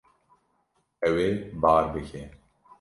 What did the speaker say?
Ew ê bar bike.